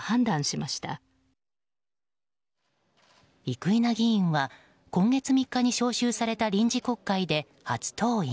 生稲議員は今月３日に召集された臨時国会で初登院。